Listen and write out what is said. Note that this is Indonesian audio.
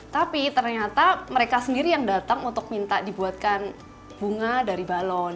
tapi ternyata mereka sendiri yang datang untuk minta dibuatkan bunga dari balon